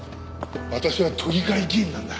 私は都議会議員なんだ。